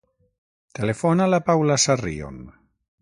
Telefona a la Paula Sarrion.